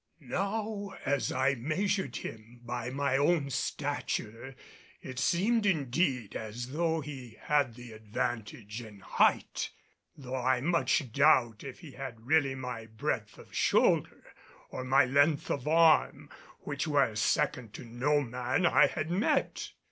Now as I measured him by my own stature it seemed indeed as though he had the advantage in height, though I much doubt if he had really my breadth of shoulder or my length of arm, which were second to no man I had met.